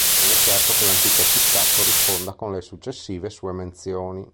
Non è certo che l'antica città corrisponda con le successive sue menzioni.